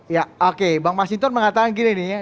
ya oke bang mas hinton mengatakan gini nih ya